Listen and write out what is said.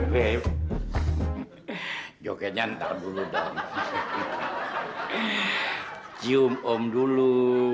babe jogetnya ntar dulu dong cium om dulu